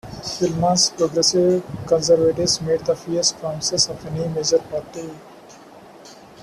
Filmon's Progressive Conservatives made the fewest promises of any major party.